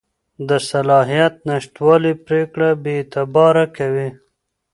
د صلاحیت نشتوالی پرېکړه بېاعتباره کوي.